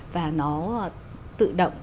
và nó tự động